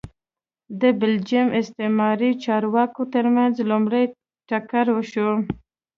د بلجیم استعماري چارواکو ترمنځ لومړی ټکر وشو